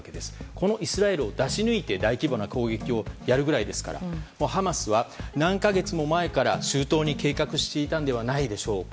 このイスラエルを出し抜いて大規模な攻撃をやるぐらいですからハマスは、何か月も前から周到に計画していたのではないでしょうか。